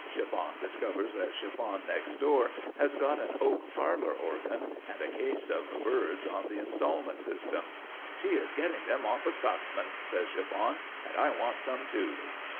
Chiffon discovers that Chiffon next door has got an oak parlour organ and a case of birds on the instalment system. "She is getting them off a Scotsman," says Chiffon; "and I want some too."